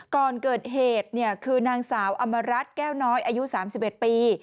ก่อนเกิดเหตุคือนางสาวอำมารัฐแก้วน้อยอายุ๓๑ปี